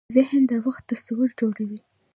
ذهن د وخت تصور جوړوي.